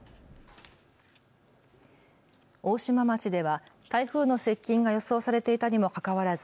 大島町では台風の接近が予想されていたにもかかわらず